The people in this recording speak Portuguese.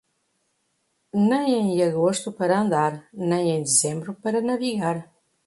Nem em agosto para andar, nem em dezembro para navegar.